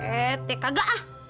eh teh kagak ah